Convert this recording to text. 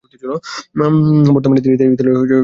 বর্তমানে তিনি ইতালীয় যুব দলের প্রশিক্ষক।